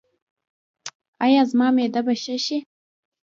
ایا زما معده به ښه شي؟